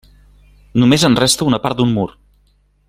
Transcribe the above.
Només en resta una part d'un mur.